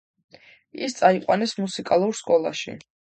ის წაიყვანეს მუსიკალურ სკოლაში.